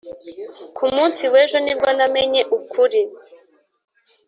ku munsi w'ejo ni bwo namenye ukuri.